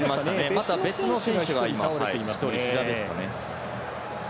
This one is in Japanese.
また別の選手が１人、ひざですかね。